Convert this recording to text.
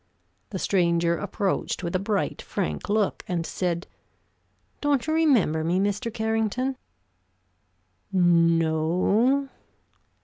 The stranger approached with a bright, frank look, and said, "Don't you remember me, Mr. Carrington?" "No o."